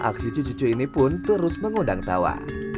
aksi cucu cucu ini pun terus mengundang tawa